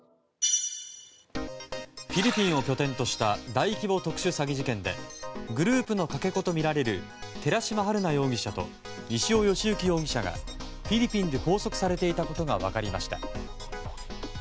フィリピンを拠点とした大規模特殊詐欺事件でグループのかけ子とみられる寺島春奈容疑者と西尾嘉之容疑者がフィリピンで拘束されていたことが分かりました。